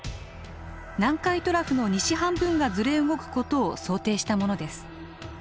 南海トラフの西半分がずれ動くことを想定したものです。